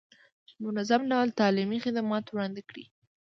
په منظم ډول تعلیمي خدمات وړاندې کړي.